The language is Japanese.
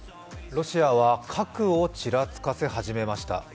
ロシアは核をちらつかせ始めました。